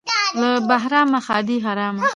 - له بهرامه ښادي حرامه.